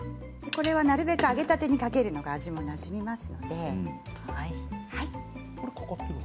これは、なるべく、揚げたてにかけるのが味もなじみます。